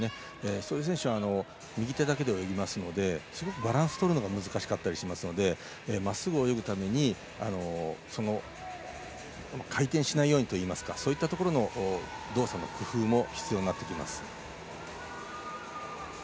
そういう選手は右手だけで泳ぎますのでバランスをとるのが難しかったりするのでまっすぐ泳ぐために回転しないようにといいますかそういったところの動作の工夫も必要になってきます。